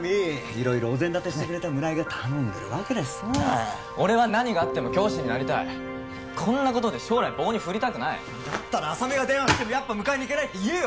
色々お膳立てしてくれた村井が頼んでるわけだしさ俺は何があっても教師になりたいこんなことで将来棒に振りたくないだったら浅見が電話して迎えに行けないって言えよ！